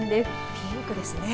ピンクですね。